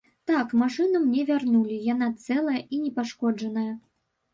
Так, машыну мне вярнулі, яна цэлая і непашкоджаная.